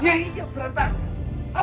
iya iya berantakan